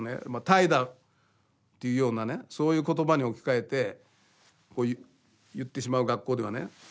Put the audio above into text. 「怠惰」っていうようなねそういう言葉に置き換えてこう言ってしまう学校ではね